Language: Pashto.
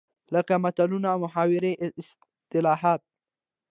لکه متلونه، محاورې ،اصطلاحات